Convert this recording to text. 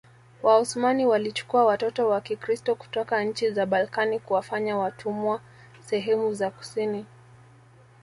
Waosmani walichukua watoto wa Kikristo kutoka nchi za Balkani kuwafanya watumwa sehemu za kusini